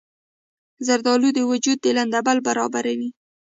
زردالو د وجود لندبل برابروي.